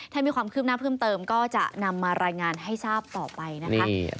ถ้ามีความคืบหน้าเพิ่มเติมก็จะนำมารายงานให้ทราบต่อไปนะคะ